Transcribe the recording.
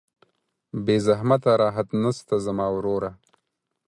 بې زحمته راحت نسته زما وروره